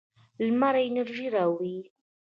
لمر انرژي راوړي.